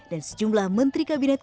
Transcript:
dan sejumlah menteri kabinet kepala